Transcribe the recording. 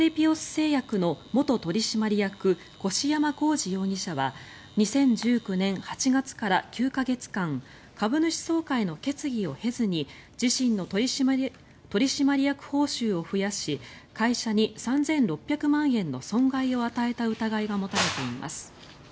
製薬の元取締役越山晃次容疑者は２０１９年８月から９か月間株主総会の決議を経ずに自身の取締役報酬を増やし会社に３６００万円の損害を与えた疑いが持たれています。